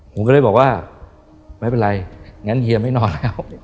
ผมก็เลยบอกว่าไม่เป็นไรงั้นเฮียไม่นอนแล้ว